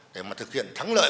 để thực hiện thắng lợi